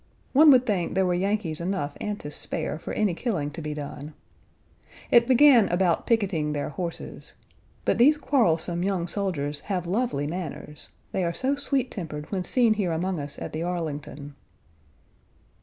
One would think there were Yankees enough and to spare for any killing to be done. It began about picketing their horses. But these quarrelsome young soldiers have lovely manners. They are so sweet tempered when seen here among us at the Arlington.